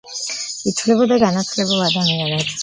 ითვლებოდა განათლებულ ადამიანად.